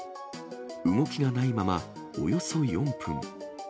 動きがないまま、およそ４分。